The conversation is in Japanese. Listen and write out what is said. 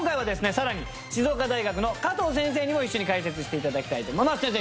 さらに静岡大学の加藤先生にも一緒にも解説していただきたいと思います先生